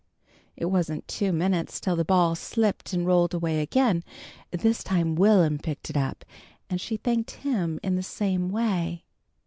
It wasn't two minutes till the ball slipped and rolled away again. This time Will'm picked it up, and she thanked him in the same way.